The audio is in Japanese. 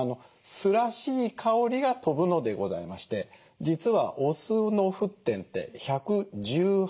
酢らしい香りが飛ぶのでございまして実はお酢の沸点って１１８度でございます。